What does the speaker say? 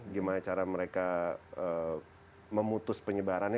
gimana cara mereka memutus penyebarannya